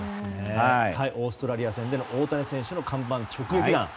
オーストラリア戦での大谷選手の看板直撃弾。